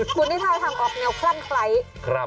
คุณนี่ถ้าทำออกแนวครั้งใคร